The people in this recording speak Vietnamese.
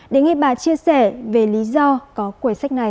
để nghe bà chia sẻ về lý do có quầy sách này